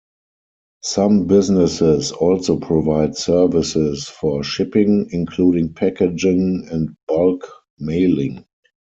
Some businesses also provide services for shipping, including packaging and bulk mailing.